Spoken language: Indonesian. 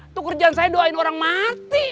itu kerjaan saya doain orang mati